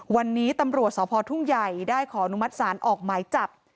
วันนี้ตำรวจสพทุ่งใหญ่ได้ขออนุมัติศาลออกหมายจับ